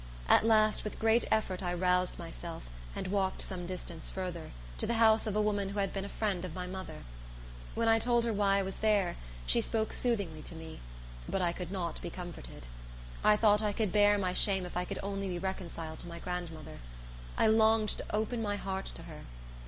At last, with great effort I roused myself, and walked some distance further, to the house of a woman who had been a friend of my mother. When I told her why I was there, she spoke soothingly to me; but I could not be comforted. I thought I could bear my shame if I could only be reconciled to my grandmother. I longed to open my heart to her.